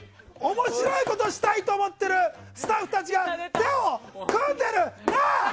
面白いことしたいと思ってるスタッフたちが手を組んでるな！